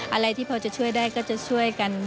อะไรที่พอจะช่วยได้ก็จะช่วยกัน